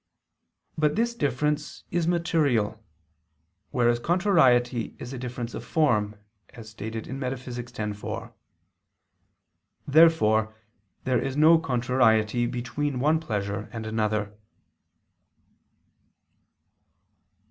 But this difference is material: whereas contrariety is a difference of form, as stated in Metaph. x, 4. Therefore there is no contrariety between one pleasure and another.